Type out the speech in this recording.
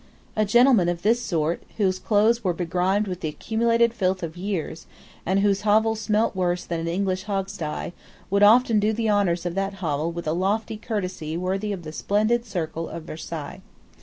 A gentleman of this sort, whose clothes were begrimed with the accumulated filth of years, and whose hovel smelt worse than an English hogstye, would often do the honours of that hovel with a lofty courtesy worthy of the splendid circle of Versailles.